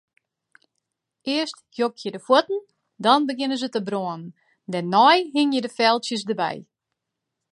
Earst jokje de fuotten, dan begjinne se te brânen, dêrnei hingje de feltsjes derby.